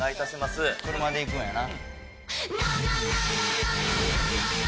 おお車で行くんやな。